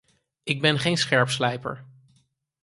Ik ben geen scherpslijper.